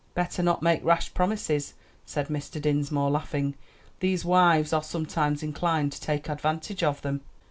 "Better not make rash promises," said Mr. Dinsmore, laughing; "these wives are sometimes inclined to take advantage of them."